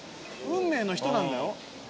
運命の人なんだよ？